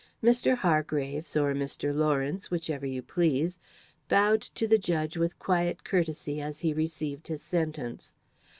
Mr. Hargraves or Mr. Lawrence, whichever you please bowed to the judge with quiet courtesy as he received his sentence.